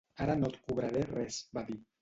"Ara no et cobraré res", va dir.